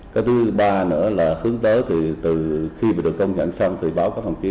cái thứ ba nữa là hướng tới thì từ khi được công nhận xong thì báo các thông chí